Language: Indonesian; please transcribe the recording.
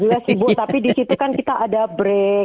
tapi di situ kan kita ada break